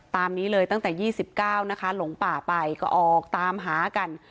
ตามนี้เลยตั้งแต่๒๙นะคะหลงป่าไปก็ออกตามหากัน